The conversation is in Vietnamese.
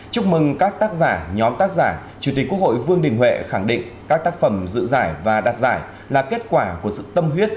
chúc mừng các tác giả nhóm tác giả chủ tịch quốc hội vương đình huệ khẳng định các tác phẩm dự giải và đạt giải là kết quả của sự tâm huyết